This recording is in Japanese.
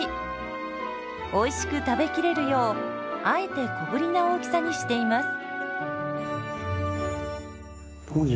おいしく食べきれるようあえて小ぶりな大きさにしています。